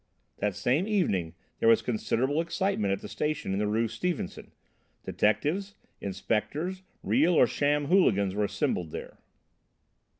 That same evening there was considerable excitement at the station in the Rue Stephenson. Detectives, inspectors, real or sham hooligans, were assembled there.